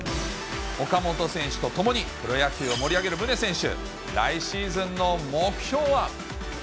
岡本選手とともにプロ野球を盛り上げる宗選手、来シーズンの目標は。